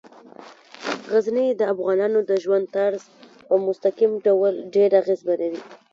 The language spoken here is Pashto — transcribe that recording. غزني د افغانانو د ژوند طرز په مستقیم ډول ډیر اغېزمنوي.